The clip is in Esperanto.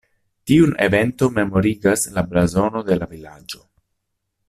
Tiun eventon memorigas la blazono de la vilaĝo.